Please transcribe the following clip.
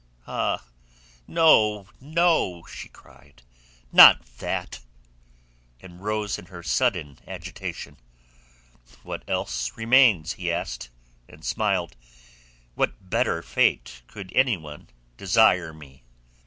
"Ah, no, no!" she cried. "Not that!" And rose in her sudden agitation. "What else remains?" he asked, and smiled. "What better fate could anyone desire me?"